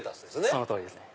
その通りですね。